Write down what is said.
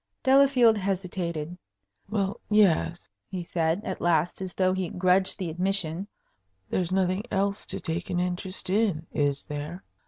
Delafield hesitated. "Well, yes," he said, at last, as though he grudged the admission. "There's nothing else to take an interest in, is there?